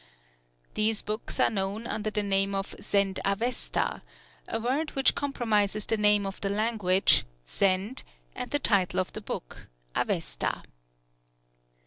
These books are known under the name of the Zend Avesta, a word which comprises the name of the language, Zend, and the title of the book, Avesta.